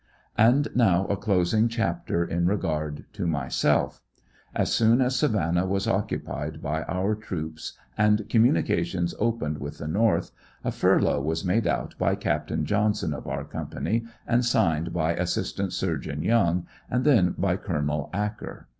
And now a closing chapter in regard to myself. As soon as Savan nah was occupied by our troops and communications opened with the North, a furlough was made out by Capt. Johnson, of our company, and signed by Assistant Surgeon Young, and then by Col. Acker.